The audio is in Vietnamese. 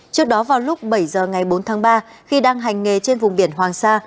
trước đó vào lúc bảy giờ ngày bốn tháng ba khi đang hành nghề trên vùng biển hoàng sa